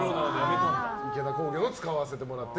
池田工業のを使わせてもらって。